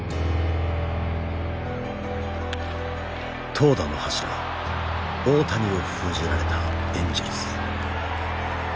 投打の柱大谷を封じられたエンジェルス。